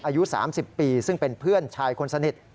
อายุ๓๐ปีซึ่งเป็นเพื่อนชายคนสนิท